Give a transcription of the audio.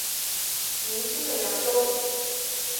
明清的扬州。